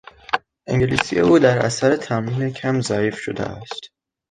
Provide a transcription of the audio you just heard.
انگلیسی او در اثر تمرین کم ضعیف شده است.